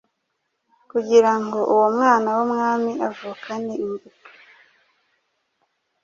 kugirango uwo mwana w’umwami avukane imbuto,